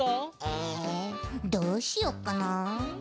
えどうしよっかな。